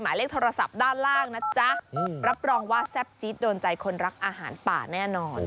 หมายเลขโทรศัพท์ด้านล่างนะจ๊ะรับรองว่าแซ่บจี๊ดโดนใจคนรักอาหารป่าแน่นอน